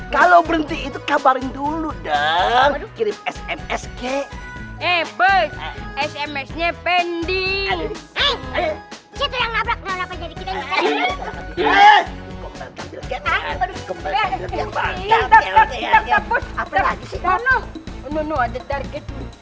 kalau berhenti itu kabarin dulu dan kirim sms ke e book sms nya pending